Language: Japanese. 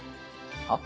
はっ？